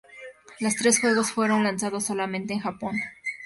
Los tres juegos fueron lanzados solamente en Japón.